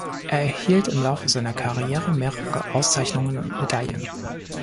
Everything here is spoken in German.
Er erhielt im Laufe seiner Karriere mehrere Auszeichnungen und Medaillen.